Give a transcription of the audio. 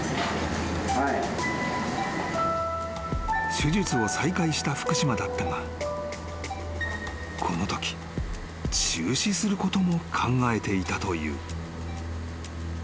［手術を再開した福島だったがこのとき中止することも考えていたという］